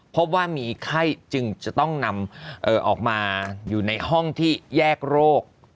พบว่ามีไข้จึงจะต้องนำออกมาอยู่ในห้องที่แยกโรค